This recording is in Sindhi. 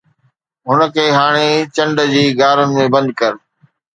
هن کي هاڻي چنڊ جي غارن ۾ بند ڪر